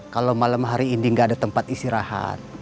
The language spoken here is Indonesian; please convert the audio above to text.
kalo malam hari ini gak ada tempat istirahat